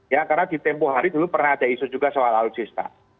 ya karena di tempoh hari dulu pernah ada isu juga soal alutsisa